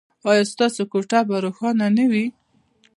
ایا ستاسو کوټه به روښانه نه وي؟